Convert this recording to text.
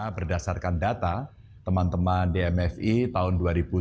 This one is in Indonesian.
berdasarkan data teman teman dmfi tahun dua ribu sembilan belas